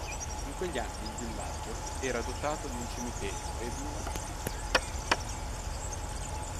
In quegli anni il villaggio era dotato di un cimitero e di un ospizio.